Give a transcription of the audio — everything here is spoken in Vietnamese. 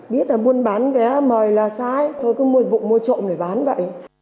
biết là buôn bán vé mời là sai thôi cứ mua vụ mua trộm để bán vậy